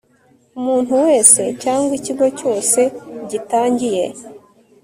umuntu wese cyangwa ikigo cyose gitangiye